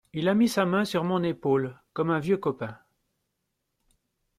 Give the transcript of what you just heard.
Il a mis sa main sur mon épaule, comme un vieux copain.